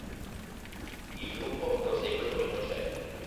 Il gruppo prosegue con i concerti.